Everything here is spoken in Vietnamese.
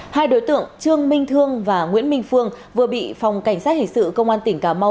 hai đối tượng trương minh thương và nguyễn minh phương vừa bị phòng cảnh sát hình sự công an tỉnh cà mau